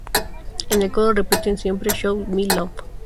En el coro repiten siempre "Show Me Love".